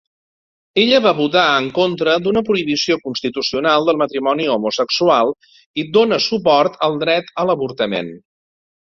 Ella va votar en contra d'una prohibició constitucional del matrimoni homosexual i dóna suport al dret a l'avortament.